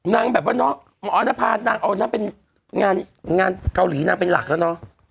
นางแบบว่าเนาะหมอนภานางเอานางเป็นงานเกาหลีนางเป็นหลักแล้วเนอะ